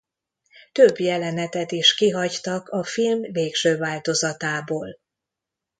Több jelenetet is kihagytak a film végső változatából.